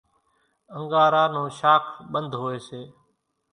انڳارا نون شاک ٻنڌ هوئيَ سي۔